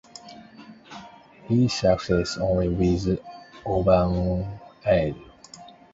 He succeeds only with Oberon's aid.